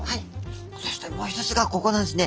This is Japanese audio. そしてもう一つがここなんですね。